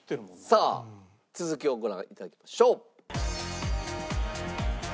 さあ続きをご覧頂きましょう。